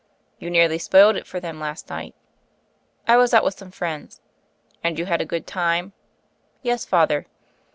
"You nearly spoiled it for them last night." "I was out with some friends." "And you had a good time?" "Yes, Father."